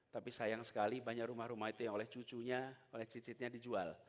tapi sayang sekali banyak rumah rumah itu yang oleh cucunya oleh cicitnya dijual